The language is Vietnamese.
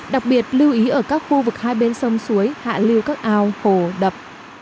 đặc biệt lưu ý ở các khu vực hai bên sông suối hạ lưu các ao hồ đập